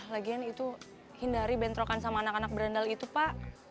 lagian itu hindari bentrokan sama anak anak berandal itu pak